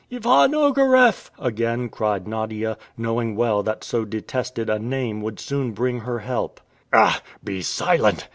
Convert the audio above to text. "Ivan Ogareff!" again cried Nadia, knowing well that so detested a name would soon bring her help. "Ah! Be silent!"